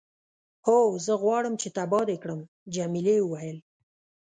هو، زه غواړم چې تباه دې کړم. جميلې وويل:.